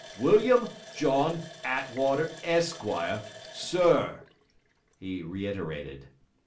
WILLIAM JOHN ATTWATER, ESQ., SIR': he reiterated.